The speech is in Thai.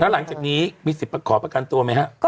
หลังจากนี้มีสิทธิ์ขอประกันตัวไหมฮะ